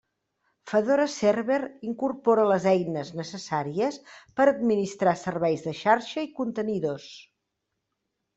Fedora Server, incorpora les eines necessàries per administrar serveis de xarxa i contenidors.